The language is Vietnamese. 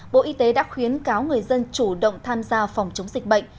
bộ y tế đã khuyến cáo người dân chủ động tham gia phòng chống dịch bệnh